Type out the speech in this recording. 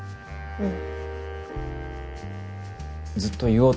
うん。